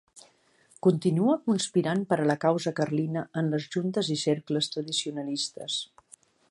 Continuà conspirant per a la causa carlina en les juntes i cercles tradicionalistes.